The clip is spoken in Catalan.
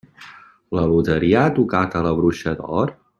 La loteria ha tocat a La bruixa d'or?